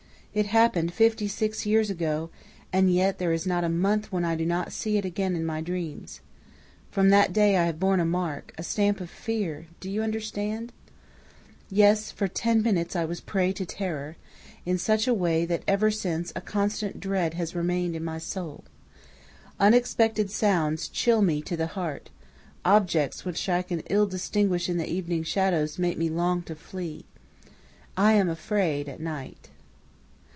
It happened fifty six years ago, and yet there is not a month when I do not see it again in my dreams. From that day I have borne a mark, a stamp of fear, do you understand? "Yes, for ten minutes I was a prey to terror, in such a way that ever since a constant dread has remained in my soul. Unexpected sounds chill me to the heart; objects which I can ill distinguish in the evening shadows make me long to flee. I am afraid at night.